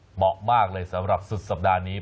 เหมาะมากเลยสำหรับสุดสัปดาห์นี้